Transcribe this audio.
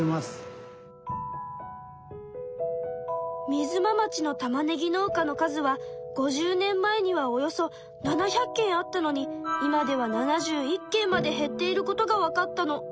みづま町のたまねぎ農家の数は５０年前にはおよそ７００軒あったのに今では７１軒まで減っていることがわかったの。